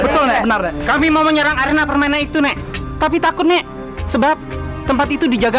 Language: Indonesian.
betul benar kami mau menyerang arena permennya itu nek tapi takut nek sebab tempat itu dijaga